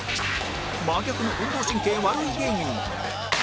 真逆の運動神経悪い芸人も